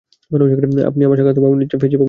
আপনি আমার সাক্ষাৎকার নিচ্ছেন, ফেজি বাবু?